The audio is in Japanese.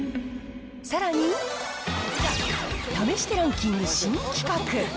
さらに、試してランキング新企画。